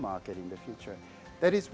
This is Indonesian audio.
jadi kita harus duduk di sana